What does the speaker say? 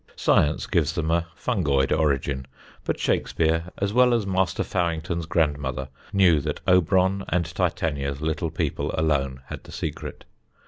Science gives them a fungoid origin, but Shakespeare, as well as Master Fowington's grandmother, knew that Oberon and Titania's little people alone had the secret.